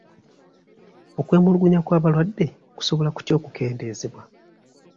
Okwemulugunya kw'abalwadde kusobola kutya okukendeezebwa?